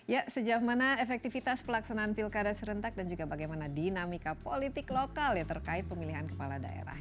ya sejauh mana efektivitas pelaksanaan pilkada serentak dan juga bagaimana dinamika politik lokal ya terkait pemilihan kepala daerah